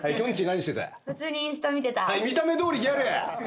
見た目どおりギャル。